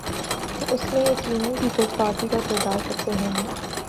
تو اس میں یقینا پیپلزپارٹی کا کردار سب سے اہم ہے۔